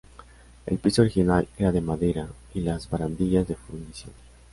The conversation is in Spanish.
El piso original era de madera y las barandillas de fundición.